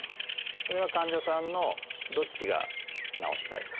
それは患者さんのどっちが治したいか。